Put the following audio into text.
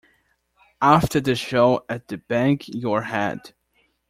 After the show at the Bang Your Head!!!